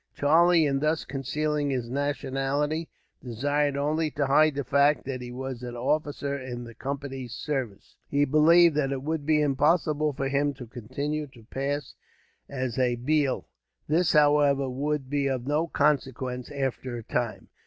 Charlie, in thus concealing his nationality, desired only to hide the fact that he was an officer in the Company's service. He believed that it would be impossible for him to continue to pass as a Bheel. This, however, would be of no consequence, after a time.